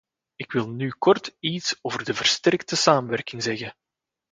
Ik wil nu kort iets over de versterkte samenwerking zeggen.